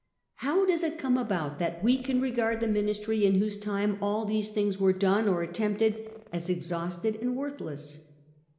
How does it come about that we can regard the Ministry in whose time all these things were done or attempted as exhausted and worthless